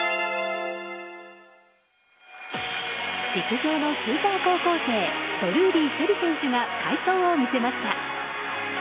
陸上のスーパー高校生ドルーリー朱瑛里選手が快走を見せました。